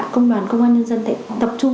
công đoàn công an nhân dân sẽ tập trung